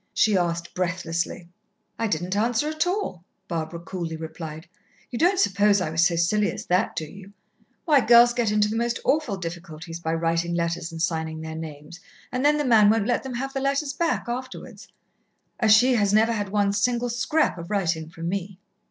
she asked breathlessly. "I didn't answer at all," Barbara coolly replied. "You don't suppose I was so silly as that, do you? Why, girls get into the most awful difficulties by writing letters and signing their names, and then the man won't let them have the letters back afterwards. Achille has never had one single scrap of writing from me."